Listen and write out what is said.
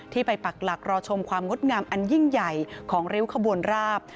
ไปปักหลักรอชมความงดงามอันยิ่งใหญ่ของริ้วขบวนราบ